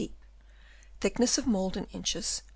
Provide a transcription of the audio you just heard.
Thickness of mould in inches.